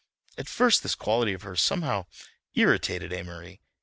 At first this quality of hers somehow irritated Amory.